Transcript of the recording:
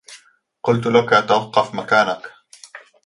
قلت لك توقف مكانك.